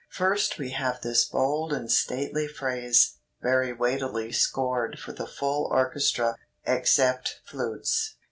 First we have this bold and stately phrase, very weightily scored for the full orchestra, except flutes.